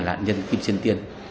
là nhân kim thiên tiên